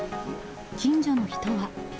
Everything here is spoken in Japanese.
近所の人は。